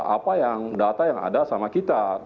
apa yang data yang ada sama kita